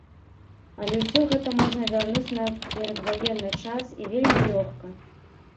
Але ўсё гэта можна вярнуць на перадваенны час, і вельмі лёгка.